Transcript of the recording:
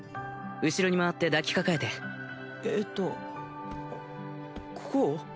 後ろに回って抱きかかえてえっとこう？